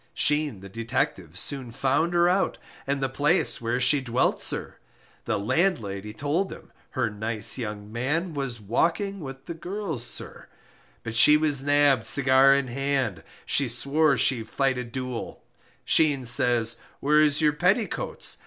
Sheen, the detective, soon found her out And the place where she dwelt, sir, The landlady told him, her nice young man Was walking with the girls, sir But she was nabbed, cigar in hand, She swore she fight a duel, Sheen says, where is your petticoats?